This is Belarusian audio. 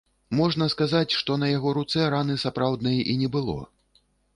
Можна сказаць, што на яго руцэ раны сапраўднай і не было.